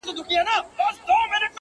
• مار له غاره ځالګۍ ته سو وروړاندي -